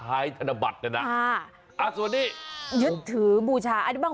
อ๋อไอ้ธนบัตรนะเอาจริง